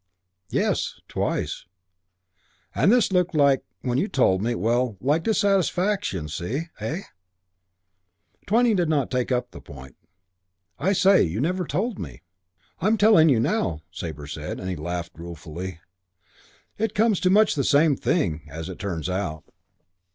"Yes, twice. And this looked like, when you told me well, like dissatisfaction since, see? Eh?" Twyning did not take up the point. "I say, you never told me." "I'm telling you now," Sabre said. And he laughed ruefully. "It comes to much the same thing as it turns out."